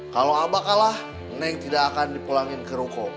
kalau abah kalah neng tidak akan dipulangin ke ruko